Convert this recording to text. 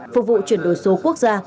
phục vụ chuyển đổi số quốc gia